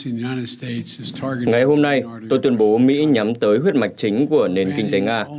ngày hôm nay tôi tuyên bố mỹ nhắm tới huyết mạch chính của nền kinh tế nga